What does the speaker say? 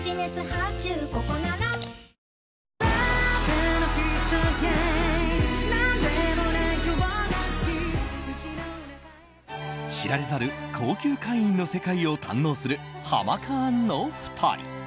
新「アタックＺＥＲＯ」知られざる高級会員の世界を堪能するハマカーンの２人。